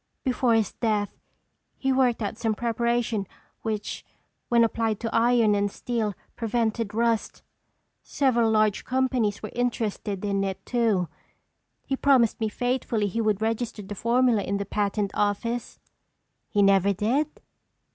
Before his death he worked out some preparation which when applied to iron and steel prevented rust—several large companies were interested in it too. He promised me faithfully he would register the formula in the patent office." "He never did?"